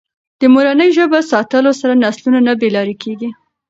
د مورنۍ ژبه ساتلو سره نسلونه نه بې لارې کېږي.